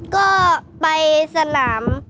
ก็ไปสนาม